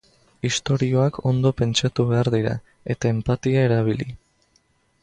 Istorioak ondo pentsatu behar dira, eta enpatia erabili.